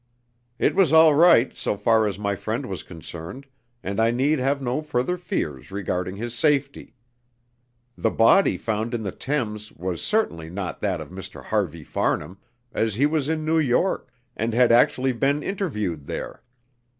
It was all right, so far as my friend was concerned, and I need have no further fears regarding his safety. The body found in the Thames was certainly not that of Mr. Harvey Farnham, as he was in New York, and had actually been interviewed there.